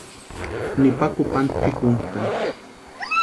Nipa kupanta pʼikuntʼani.